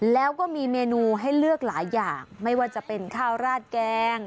แล้วก็มีเมนูให้เลือกหลายอย่างไม่ว่าจะเป็นข้าวราดแกง